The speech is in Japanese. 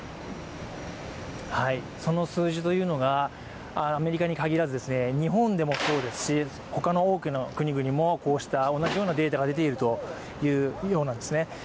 その数字というのがアメリカに限らず日本でもそうですし、他の多くの国々もこうした同じようなデータが出ているようなんですね。